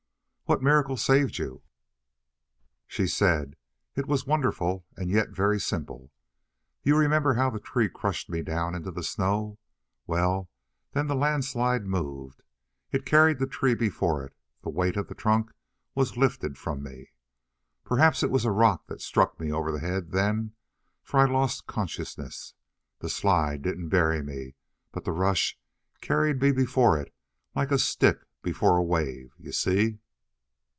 "What miracle saved you?" She said: "It was wonderful, and yet very simple. You remember how the tree crushed me down into the snow? Well, when the landslide moved, it carried the tree before it; the weight of the trunk was lifted from me. Perhaps it was a rock that struck me over the head then, for I lost consciousness. The slide didn't bury me, but the rush carried me before it like a stick before a wave, you see.